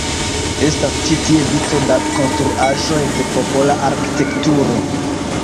Estas ĉi tie vico da konstruaĵoj de popola arkitekturo.